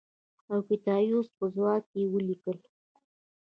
اوکتایوس په ځواب کې ولیکل